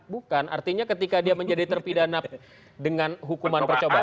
bukan artinya ketika dia menjadi terpidana dengan hukuman percobaan